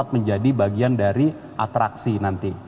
menjadi bagian dari atraksi nanti